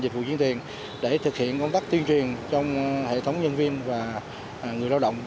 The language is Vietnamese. dịch vụ chiến tuyển để thực hiện công tác tuyên truyền trong hệ thống nhân viên và người lao động